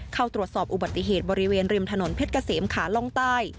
เข้าตรวจสอบอุบัติเหตุบริเวณริมถนนเพชรเกษมขาล่องใต้